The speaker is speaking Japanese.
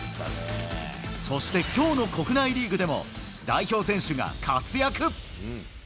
そしてきょうの国内リーグでも、代表選手が活躍。